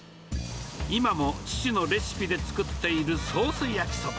今も父のレシピで作っているソース焼きそば。